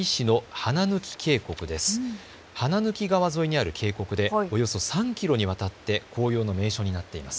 花貫川沿いにある渓谷でおよそ３キロにわたって紅葉の名所になっています。